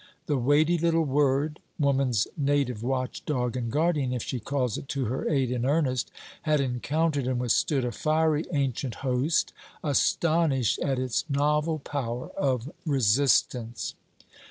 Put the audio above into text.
The weighty little word woman's native watchdog and guardian, if she calls it to her aid in earnest had encountered and withstood a fiery ancient host, astonished at its novel power of resistance.